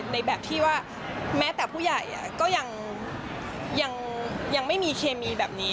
ในแบบที่ว่าแม้แต่ผู้ใหญ่ก็ยังไม่มีเคมีแบบนี้